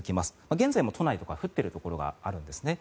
現在も都内とか降っているところがあるんですね。